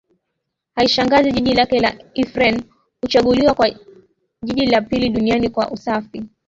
Haishangazi jiji lake la Ifrane kuchaguliwa kuwa jiji la pili duniani kwa usafi